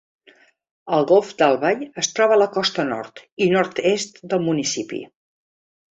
El golf d'Albay es troba a la costa nord i nord-est del municipi.